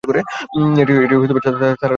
এটি সারার অভিষেক চলচ্চিত্র।